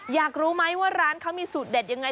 อยากรู้ไหมว่าร้านเขามีสูตรเด็ดยังไง